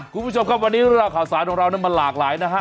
คุณผู้ชมครับวันนี้เรื่องราวข่าวสารของเรานั้นมันหลากหลายนะฮะ